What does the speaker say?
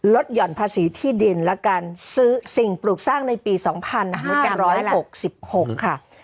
หย่อนภาษีที่ดินและการซื้อสิ่งปลูกสร้างในปี๒๕๖๖ค่ะ